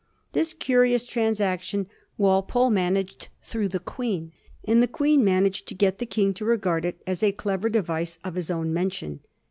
This curious transaction Walpole man aged through the Queen, and the Queen managed to get the King to regard it as a clever device of his own men tion.